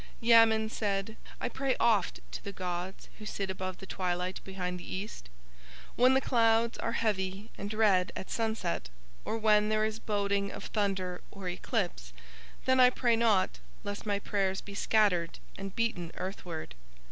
Yamen said: "I pray oft to the gods who sit above the twilight behind the east. When the clouds are heavy and red at sunset, or when there is boding of thunder or eclipse, then I pray not, lest my prayers be scattered and beaten earthward.